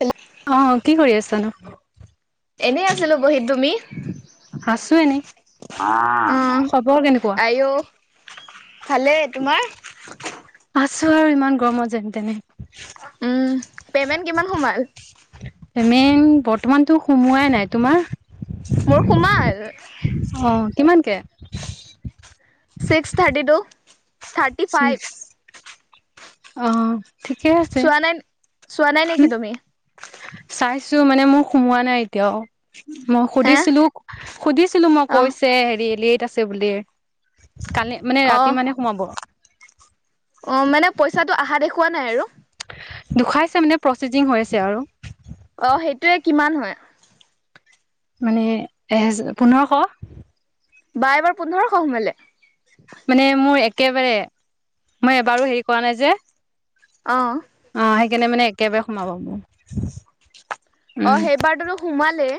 Hello অ, কি কৰি আছানো? এনেই আছিলোঁ বহী তুমি? আছো এনেই। খবৰ কেনেকুৱা? আই অ। ভালেই। তোমাৰ? আছো আৰু ইমান গৰমত যেন তেনে। উম। পেমেণ্ট কিমান সোমাল? পেমেণ্ট বৰ্তমানটো সোমোৱাই নাই। তোমাৰ? মোৰ সোমাল। অ, কিমানকে? ছিক্স থাৰ্টি টো। অ ঠিকেই আছে। চোৱা নাই চোৱা নাই নিকি তুমি? চাইছো মানে মোৰ সোমোৱা নাই এতিয়াও। মই হে সুধিছিলো সুধিছিলো মই অ কৈছে হেৰি লেট আছে বুলি। কালি মানে অ ৰাতি মানে সোমাব। অ মানে পইচাটো আহা দেখুওৱা নাই আৰু। দুখাইছে মানে প্ৰচেজিং হৈ আছে আৰু। অ, সেইটোৱে কিমান হয়? মানে এহেজাৰ পোন্ধৰশ। বা এইবাৰ পোন্ধৰশ সোমালে? মানে মোৰ একেবাৰে মই এবাৰো হেৰি কৰা নাই যে। অ। অ সেইকাৰণে মানে একেবাৰে সোমাব মোৰ। অ উম সেইবাৰটোটো সোমালে।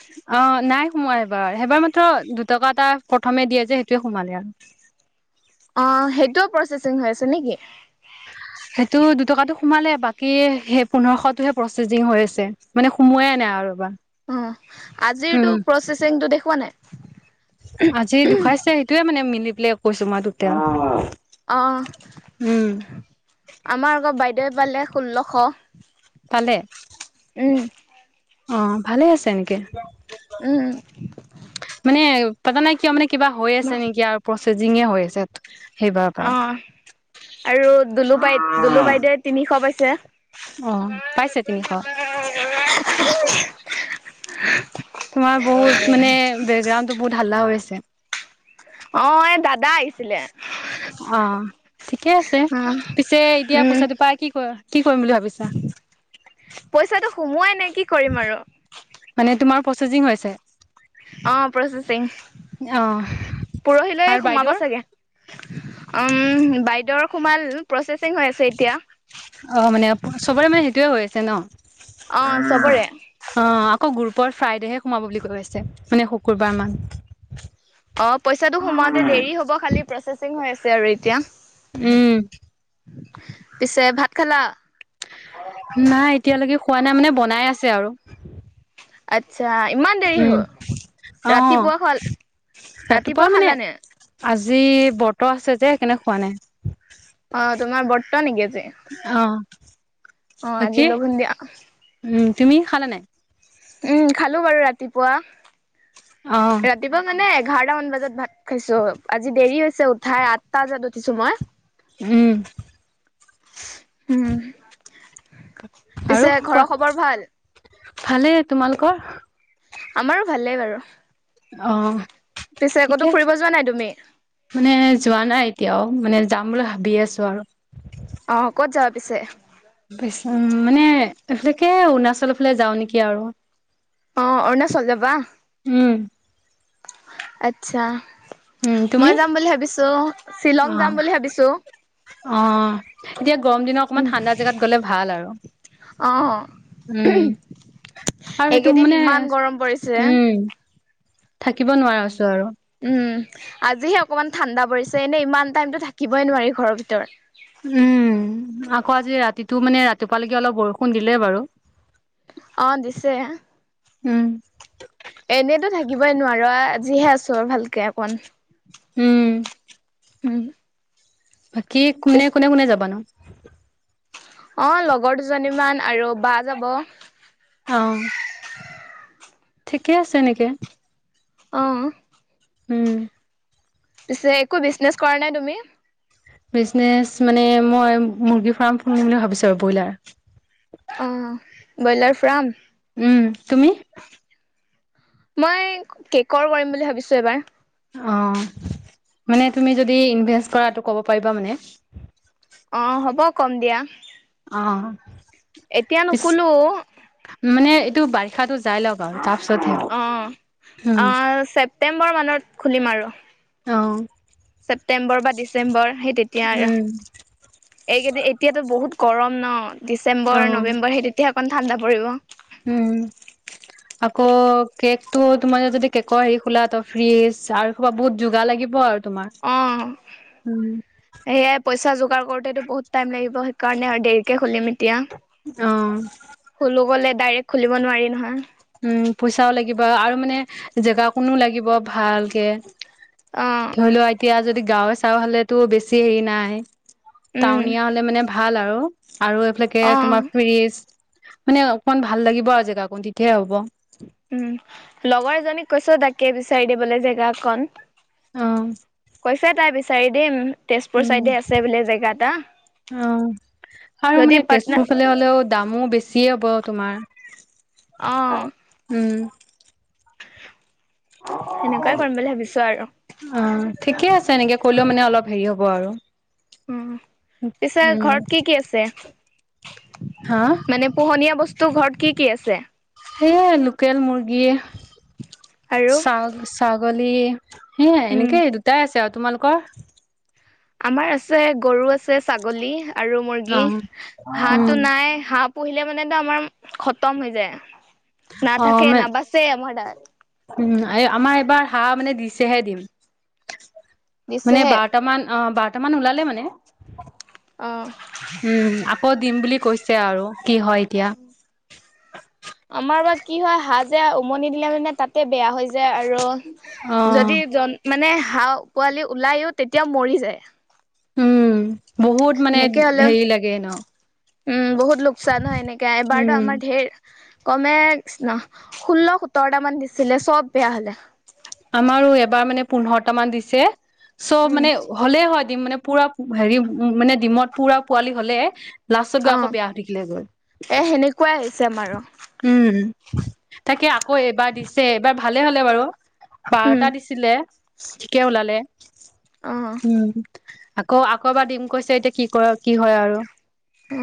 অ, নাই সোমোৱা সেইবাৰ সেইবাৰ মাত্ৰ দুটকা এটা প্ৰথমে দিয়ে যে সেইটোৱে সোমালে আৰু। অ সেইটোও প্ৰচেচিং হৈ আছে নিকি? [unintelligible] সেইটো দুটকাটো সোমালে বাকী সেই পোন্ধৰশটোহে প্ৰচেজিং হৈ আছে মানে সোমোৱাইে নাই আৰু বা অ আজিৰটো প্ৰচেচিংটো দেখুওৱা নাই? আজি দুখুৱাইছে সেইটোৱে মানে মিলি পেলাই কৈছো মই দুটায়ে। অ আমাৰ আক বাইদেৱে পালে ষোল্লশ। পালে উম অ ভালেই আছে এনেকে। উম। মানে পাতা নাই কিয় মানে কিবা হৈ আছে ন নিকি আৰু প্ৰচেজিঙেই হৈ আছে। সেইবাৰ পাই অ আৰু দুলু বাই দুলু বাইদেৱে তিনিশ পাইছে। অ পাইছে তিনিশ। [unintelligible] তোমাৰ বহুত মানে বেকগ্ৰাউণ্ডটো বহুত হাল্লা হৈ আছে। অ এই দাদা আহিছিলে। অ ঠিকে আছে। অ পিছে এতিয়া উম পইচাটো পাই কি ক কি কৰিম বুলি ভাবিছা? পইচাটো সোমোৱাই নাই কি কৰিম আৰু। মানে তোমাৰ প্ৰচেজিং হৈছে? অ প্ৰচেচিং অ পৰহিলৈ আৰু সোমাব বাইদেউৰ চাগে। উম বাইদেউৰ সোমাল প্ৰচেচিং হৈ আছে এতিয়া। অ মানে চবৰে মানে সেইটোৱে হৈ আছে অ ন? চবৰে অ আকৌ গ্ৰুপৰ ফ্ৰাইডেহে সোমাব বুলি কৈ আছে মানে শুকুৰবাৰ মান। অ পইচাটো সোমাওতে দেৰি হ'ব খালি প্ৰচেচিং হৈ আছে আৰু এতিয়া। উম পিছে ভাত খালা? নাই এতিয়ালৈকে খোৱা নাই মানে বনাই আছে আৰু। আচ্ছা ইমান দেৰি উম হ'ল, অ ৰাতিপুৱা খোৱা ৰাতিপুৱা খালানে? আজি বৰ্টো আছে যে সেইকাৰণে খোৱা নাই। অ, তোমাৰ বৰ্ত নেকি অ বাকী আজি, লঘণ দিয়া। উম, তুমি খালা নে নাই? উম, খালো বাৰু ৰাতিপুৱা। অ, উ, দিবা মানে এঘাৰটা মান বজাত ভাত খাইছো আজি দেৰি হৈছে উঠাই আঠটা বজাত উঠিছো মই। উম, উম, আৰু পিছে কোৱা, ঘৰৰ খবৰ ভাল? ভালেই তোমালোকৰ। আমাৰো ভালেই বাৰু অ পিছে ঠিকে আকৌতো ফুৰিব যোৱা নাই তুমি। মানে যোৱা নাই এতিয়াও মানে যাম বুলি ভাবি আছো আৰু। অ, ক'ত যাব পিছে। পিছে অ, মানে এইফালেকে অৰুণাচলৰফালে যাওঁ নেকি আৰু। অ, অৰুণাচল যাবা, উম আচ্ছা। উম তুমি মই যাম বুলি ভাবিছো অ শ্বিলং যাম বুলি ভাবিছো। অ, এতিয়া গৰম দিিনত অকমান ঠাণ্ডা জোগাত গ'লে ভাল আৰু। অ উম, আৰু সেইটো এইকেইদিন মানে ইমান গৰম পৰিছে। উম, থাকিব নোৱাৰা আছো আৰু। উম, আজিহে অকমান ঠাণ্ডা পৰিছে এনে ইমান টাইমতো থাকিবই নোৱাৰি ঘৰৰ ভিতৰত। উম, আকৌ আজি ৰাতিটো মানে ৰাতিপুৱালৈকে অলপ বৰষুণ দিলে বাৰু। অ', দিছে। উম, এনেইতো থাকিবই নোৱাৰো। আজিহে আছোঁ আৰু ভালকৈ অকণ উম, উম, বাকী পিছ কোনে কোনে, কোনে যাবা নো? অ', লগৰ দুজনীমান আৰু বা যাব। অ', ঠিকে আছে এনেকে। অ', উম, পিছে একো বিজনেছ কৰা নাই। তুমি বিজনেচ মানে মই মুৰ্গী ফাৰ্ম ফুলিম বুলি ভাবিছো আৰু ব্ৰইলাৰ। অ, ব্ৰইলাৰ ফাৰ্ম। উম, তুমি? মই কেকৰ কৰিম বুলি ভাবিছো। এইবাৰ। অ', মানে তুমি য ইনভে কৰা ক'ব পাৰিবা মানে অ, হ'ব কম দিয়া। অ, এতিয়া পিছ নুখোলো। মানে এইটো বাৰিষাটো যাই লক বাৰু তাৰপিছতহে হম, টেম্বৰ মানত খুলিম আৰু অ, ছেপ্তেম্বৰ বা ডিচেম্বৰ সেই তেতিয়া আৰু। উম এইকেইদ এতিয়াতো বহুত গৰম ন অ ডিচেম্বৰ নৱেম্বৰ সেই তেতিয়া অকণ ঠাণ্ডা পৰিব। উম, আকৌ কেক টো তোমাৰ যদি কেকৰ হেৰি খোলা ত ফ্ৰিজ আৰু কবা বহুত যোগাৰ লাগিব আৰু তোমাৰ অ, উম সেয়াই পইচা যোগাৰ কৰোতেতো বহুত টাইম লাগিব। সেইকাৰণে আৰু দেৰিকে খুলিম এতিয়া। অ', খুলো গ'লে ডাইৰেক্ট খুলিব নোৱাৰি নহয়। উম, পইচাও লাগিব আৰু মানে জেগা কোনো লাগিব ভালকে অঁ ধৰি লও এতিয়া যদি গাঁৱে চাওঁ হাললেতো বেছি হেৰি নাই। উম টাউনীয়া হলে মানে ভাল আৰু আৰু এইফালাকে অঁ তোমাৰ ফ্ৰীজ মানে অকমান ভাল লাগিব আৰু জেগা কো দিতিহে হ'ব। উম, লগৰ এজনীক কৈছ তাকে বিচাৰি দিবলৈ জেগা অকন। অ', কৈছে তাই বিচাৰি দিম তেজপুৰ উম চাইডে আছে বোলে জেগা এটা। আৰু যদি মানে পাটনা তেজপুৰ লে হলেও দামো বেছিয়ে হ'ব তোমাৰ। অঁ উম, সেনেকুৱাই কৰিম বুলি ভাবিছোঁ আৰু। অ', ঠিকে আছে। এনেকে ক'লেও মানে অলপ হেৰি হ'ব আৰু। উম, পিছে উম ঘৰত কি কি আছে? হা মানে পোহনীয়া বস্তু ঘৰত কি কি আছে? সেয়ে লোকেল মুৰ্গী, আৰু ছ-ছাগলী, সেই উম এনেকে দুটাই আছে আৰু, তোমালোকৰ? আমাৰ আছে। গৰু আছে। ছাগলী আৰু অ মুৰ্গী, উম হাঁহো নাই হাপ পঢ়িলে মানেতো আমাৰ খতম হৈ যায়। অ নাথাকে মে নাবাচে আমাৰ তাত। উম, আমাৰ এইবাৰ হাঁহ মানে দিছেহে ডিম। মানে দিছেহে বাৰটা মান অ, বাৰটা মান ওলালে মানে। অ'। উম, আ কৌ দিম বুলি কৈছে আৰু কি হয় এতিয়া। আমাৰ বা কি হয় হাঁহ যে উমনি দিলে মানে তাতে বেয়া হৈ য যে অ আৰু যদি জন মানে হাঁহ পোৱালি ওলাইও তেতিয়া মৰি যায়। উম, বহুত মানে সেনেকে হ'লে হেৰি লাগে ন। উম, বহুত লোকচান হয় এনেকে উম এবাৰতো আমাৰ ঢেৰ কমে ন ষোল্ল সোত্তৰটা মান দিছিলে চব বেয়া হলে। আমাৰো এবাৰ মানে পোন্ধৰটা মান দিছে চব উম, মানে হ'লেই হয় ডিম মানে পুৰা হেৰি উ মানে ডিমত পুৰা পোৱালি হ'লে লাষ্টত গৈ অ আকৌ বেয়া হৈ থাকিলে গৈ। এ সেনেকুৱাই হৈছে আমাৰো উম, তাকে আকৌ এইবাৰ দিছে এইবাৰ ভালে হ'লে বাৰু। উম বাৰটা দিছিলে ঠিকে ওলালে। অ অ উম, আকৌ আকৌ এবাৰ দিম কৈছে এতিয়া কি কৰে কি হয় আৰু। অ,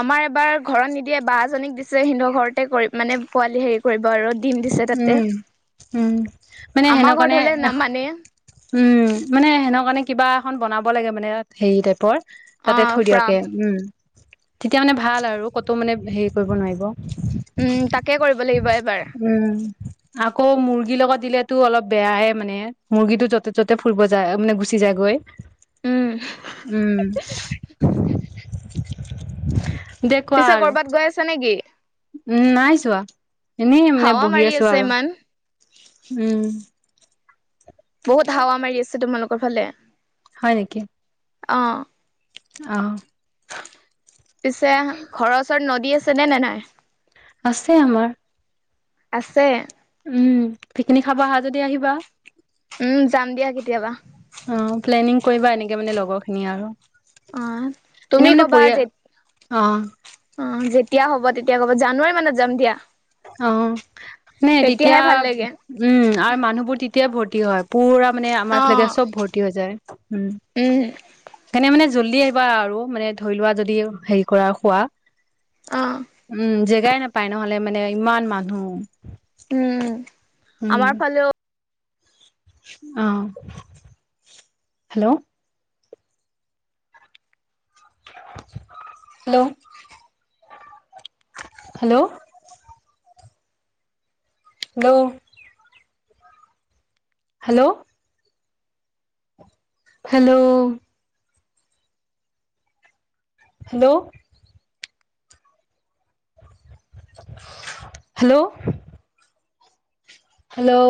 আমাৰ এবাৰ ঘৰত নিদিয়ে বা এজনীক দিছে সিহতৰ ঘৰতে কৰি মানে পোৱালি হেৰি কৰিব আৰু। ডিম দিছে তাতে উম, উম, মানে আমাৰ হেনু ঘৰত কাৰণে হলে এশশ নামানে উম, মানে হেনে কাৰণে কিবা এখন বনাব লাগে মানে হেৰি টাইপৰ, অ তাতে থৈ ফ্ৰাম দিয়াকে উম, তেতিয়া মানে ভাল আৰু কতো মানে হেৰি কৰিব নোৱাৰিব। উম, তাকে কৰিব লাগিব এবাৰ। উম, আকৌ মুৰ্গীৰ লগত দিলেতো অলপ বেয়াহে মানে মুৰ্গীটো য'তে ত'তে ফুৰিব যায় মানে গুচি যায়গৈ। উম উম, দে কোৱা পিছে আৰু কৰবাত গৈ আছা নেকি? উম, নাই যোৱা, এনেই মানে হাৱা বহি মাৰি আছোঁ আছে আৰু। ইমান উম, বহুত হাৱা মাৰি আছে তোমালোকৰ ফালে। হয় নেকি? অ, অ, পিছে ঘৰৰ ওচৰত নদী আছেনে নে নাই? আছে আমাৰ। আছে উম, পিকনিক খাব অহা যদি আহিবা। উম, যাম দিয়া কেতিয়াবা। অ', প্লেনিং কৰিবা এনেকে মানে লগৰ খিনি আৰু। অ', এনে তুমি মানে ক'বা পৰিয়া যে অ অ', যেতিয়া হ'ব তেতিয়া ক'ব জানুৱাৰী মানত যাম দিয়া। অ', নে তেতিয়া তেতিয়াহে ভাল লাগে উম, আৰু মানুহবোৰ তেতিয়াই ভৰ্তি হয় পুৰা মানে অ আমাৰ ফিলাকে চব ভৰ্তি হৈ যায় উম, উম, সেইকাৰনে মানে জল্দি আহিবা আৰু মানে ধৰি লোৱা যদি হেৰি কৰা শুৱা অ', উম, জেগাই নাপায় নহলে মানে ইমান মানুহ উম, উম আমাৰ ফালেও অ', hello hello hello hello hello hello hello hello hello